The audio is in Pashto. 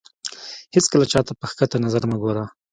هېڅکله چاته په کښته سترګه مه ګوره.